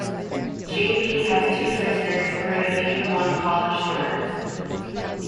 J. P. has two sisters who were Division One college swimmers.